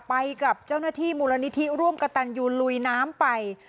ไปกับเจ้าหน้าที่มูลนิธิร่วมกระตันยูลุยน้ำไป